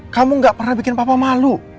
kamu gak pernah bikin papa malu